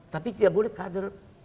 tapi tidak boleh kader